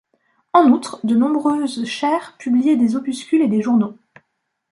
En outre, de nombreuses chaires publiaient des opuscules et des journaux.